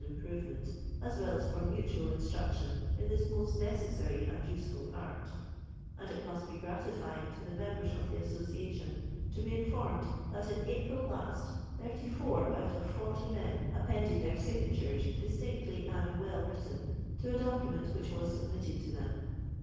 improvement, ns well as for mutual instruction in this most necessary and useful art; and it must be gratifying to the members of (he Association to be informed, that, in April last, 84 out of 40 men appended their 284 LONDON LABOXm AND THS LONDON POOR. Bgnaturet, dittinctly and well written, to a docu ment which was submitted to them.